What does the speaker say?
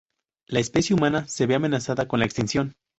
La especie humana se ve amenazada con la extinción.